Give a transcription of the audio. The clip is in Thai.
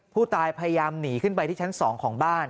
ผู้ตายพยายามหนีขึ้นไปที่ชั้น๒ของบ้าน